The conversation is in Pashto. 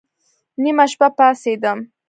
نيمه شپه پاڅېدم.